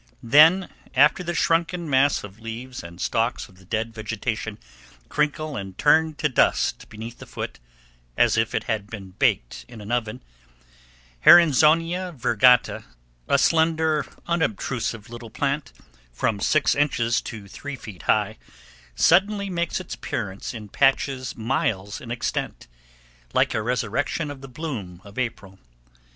Then, after the shrunken mass of leaves and stalks of the dead vegetation crinkle and turn to dust beneath the foot, as if it had been baked in an oven, Hemizonia virgata, a slender, unobtrusive little plant, from six inches to three feet high, suddenly makes its appearance in patches miles in extent, like a resurrection of the bloom of April.